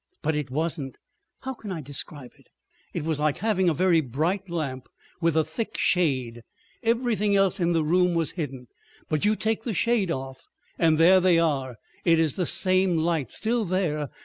But it wasn't. How can I describe it? It was like having a very bright lamp with a thick shade—everything else in the room was hidden. But you take the shade off and there they are—it is the same light—still there!